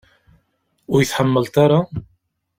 Ur iyi-tḥemmleḍ ara?